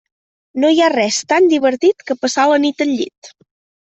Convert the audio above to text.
No hi ha res tan divertit que passar la nit al llit.